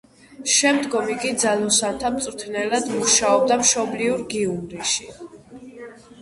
შემდგომ იგი ძალოსანთა მწვრთნელად მუშაობდა მშობლიურ გიუმრიში.